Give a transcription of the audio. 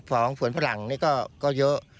พร้อมเผื้อนฝรั่งนี้ก็เยอะ